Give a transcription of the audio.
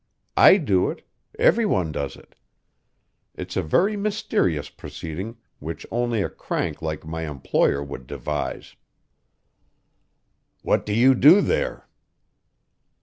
I do it; every one does it; it's a very mysterious proceeding which only a crank like my employer would devise." "What do you do there?"